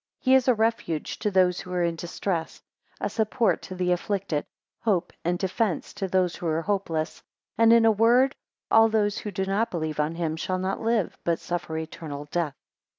He is a refuge to those who are in distress; a support to the afflicted, hope and defence to those who are hopeless; and in a word, all those who do not believe on him, shall not live, but suffer eternal death.